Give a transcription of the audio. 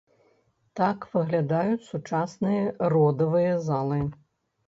Так выглядаюць сучасныя родавыя залы.